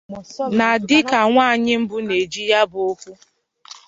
na dịka nwaanyị mbụ na-eji ya bụ ọkwa